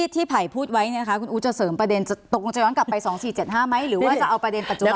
ไผ่พูดไว้คุณอู๋จะเสริมประเด็นตกลงจะย้อนกลับไป๒๔๗๕ไหมหรือว่าจะเอาประเด็นปัจจุบัน